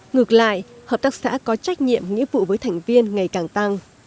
ngược lại hợp tác xã có trách nhiệm nghĩa vụ với thành viên ngày càng tăng